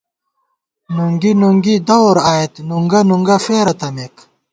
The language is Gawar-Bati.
نُونگی نُونگی دَور آئېت، نُونگہ نُونگہ فېرہ تمېک